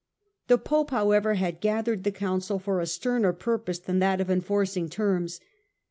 The Pope, however, had gathered the Council for a sterner purpose than that of enforcing terms.